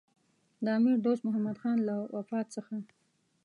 د امیر دوست محمدخان له وفات څخه.